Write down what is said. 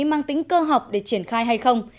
mang tính cơ học để triển khai hay không